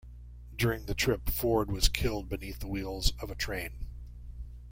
During the trip, Ford was killed beneath the wheels of a train.